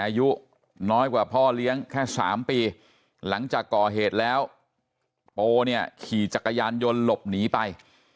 อายุน้อยกว่าพ่อเลี้ยงแค่๓ปีหลังจากก่อเหตุแล้วโปเนี่ยขี่จักรยานยนต์หลบหนีไป